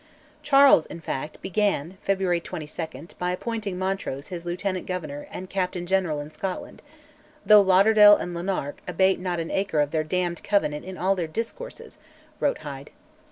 Charles, in fact, began (February 22) by appointing Montrose his Lieutenant Governor and Captain General in Scotland, though Lauderdale and Lanark "abate not an ace of their damned Covenant in all their discourses," wrote Hyde.